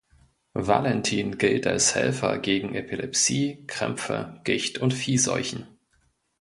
Valentin gilt als Helfer gegen Epilepsie, Krämpfe, Gicht und Viehseuchen.